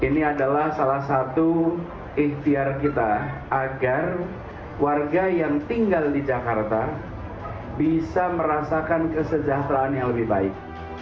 ini adalah salah satu ikhtiar kita agar warga yang tinggal di jakarta bisa merasakan kesejahteraan yang lebih baik